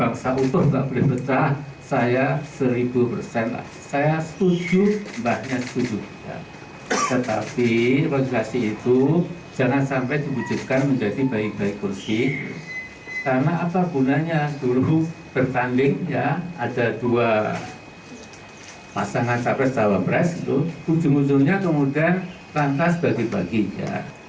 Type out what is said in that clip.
karena apa gunanya dulu bertanding ya ada dua pasangan tabres tabres itu hujung hujungnya kemudian langkas bagi bagi ya